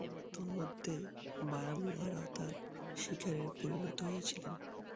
তন্মধ্যে, Brian Lara তার শিকারে পরিণত হয়েছিলেন।